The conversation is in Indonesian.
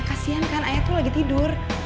kasian kan ayah tuh lagi tidur